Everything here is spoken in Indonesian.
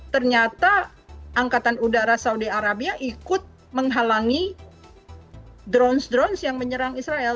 ternyata angkatan udara saudi arabia ikut menghalangi drones drones yang menyerang israel